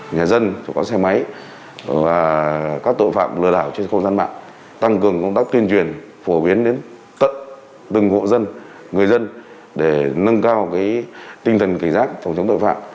nhà dân tội phạm xe máy và các tội phạm lừa đảo trên không gian mạng tăng cường công tác tuyên truyền phổ biến đến tận từng hộ dân người dân để nâng cao tinh thần cảnh giác phòng chống tội phạm